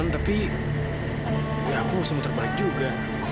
tapi aku mau sementara juga